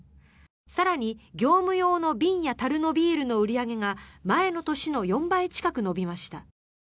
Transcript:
更に、業務用の瓶やたるのビールの売り上げが前の年の４倍近く伸びました。